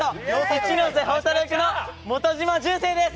一ノ瀬宝太郎役の本島純政です。